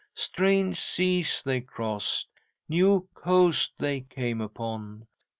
Strange seas they crossed, new coasts they came upon.